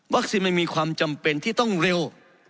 มันมีความจำเป็นที่ต้องเร็ว